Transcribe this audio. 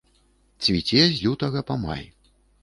Цвіце з лютага па май.